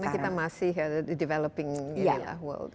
karena kita masih developing world